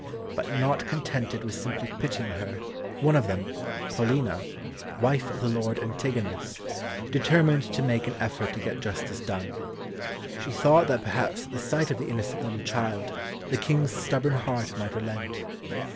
But not contented with simply pitying her, one of them, Paulina, wife of the lord Antigonus, determined to make an effort to get justice done. She thought that perhaps at the sight of the innocent little child, the King's stubborn heart might relent.